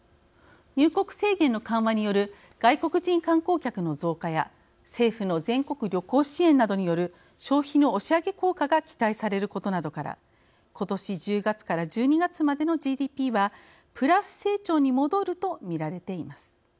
入国制限の緩和による外国人観光客の増加や政府の全国旅行支援などによる消費の押し上げ効果が期待されることなどから今年１０月から１２月までのＧＤＰはプラス成長に戻ると見られています。